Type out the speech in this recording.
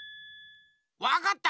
わかった！